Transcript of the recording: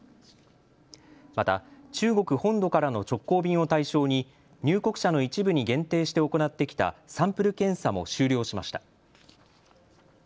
また中国本土からの直行便を対象に入国者の一部に限定して行ってきたサンプル検査も終了しました。